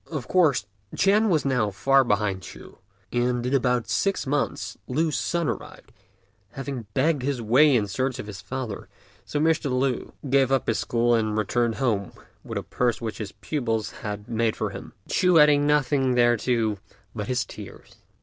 Of course Ch'ên was now far behind Ch'u; and in about six months Lü's son arrived, having begged his way in search of his father, so Mr. Lü gave up his school and returned home with a purse which his pupils had made up for him, Ch'u adding nothing thereto but his tears.